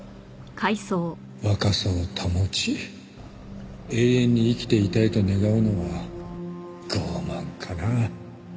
若さを保ち永遠に生きていたいと願うのは傲慢かな？